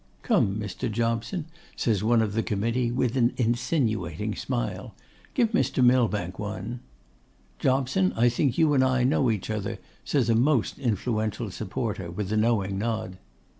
'Come, Mr. Jobson,' says one of the committee, with an insinuating smile, 'give Mr. Millbank one.' 'Jobson, I think you and I know each other,' says a most influential supporter, with a knowing nod.